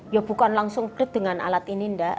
ya bukan langsung klit dengan alat ini enggak